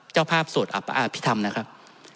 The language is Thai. เจ้าภาพโสดอาพิธรรมนะครับ